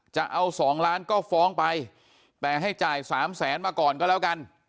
จะเอา๒ล้านก็ฟ้องไปแต่ให้จ่ายสามแสนมาก่อนก็แล้วกัน